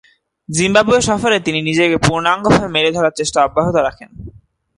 Zimbabwe সফরে তিনি নিজেকে পূর্ণাঙ্গভাবে মেলে ধরার চেষ্টা অব্যাহত রাখেন।